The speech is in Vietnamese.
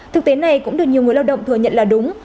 thực tế này cũng được nhiều người lao động thừa nhận là đúng